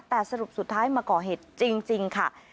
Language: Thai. แต่สรุปสุดท้ายมาก่อเหตุจริงค่ะ